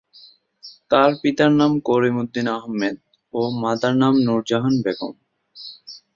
তার পিতার নাম করিম উদ্দিন আহমেদ ও মাতার নাম নূরজাহান বেগম।